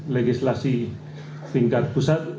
legislasi tingkat pusat